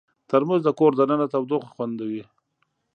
ترموز د کور دننه تودوخه خوندوي.